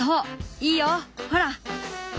いいよほら。